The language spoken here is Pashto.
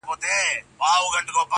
دلته هم يوه نکته سته.